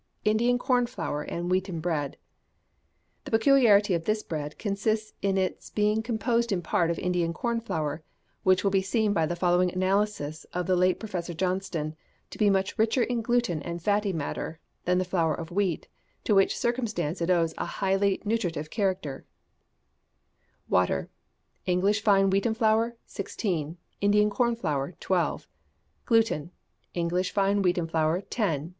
Indian Corn Flour and Wheaten Bread. The peculiarity of this bread consists in its being composed in part of Indian corn flour, which will be seen by the following analysis by the late Professor Johnston, to be much richer in gluten and fatty matter than the flour of wheat, to which circumstance it owes its highly nutritive character: English Fine Indian Corn Wheaten Flour.